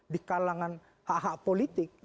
di kalangan hak hak politik